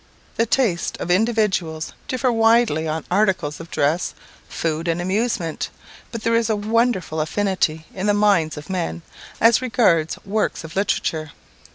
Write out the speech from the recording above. The tastes of individuals differ widely on articles of dress, food, and amusement; but there is a wonderful affinity in the minds of men, as regards works of literature.